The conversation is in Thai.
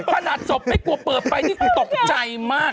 ขนาดศพไม่กลัวเปิดไปนี่คือตกใจมาก